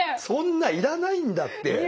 そんないらないんだって。